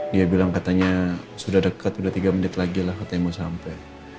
dia bilang katanya sudah dekat sudah tiga menit lagi lah katanya mau sampai